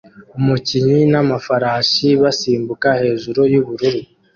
Umukinnyi n'amafarashi basimbuka hejuru yubururu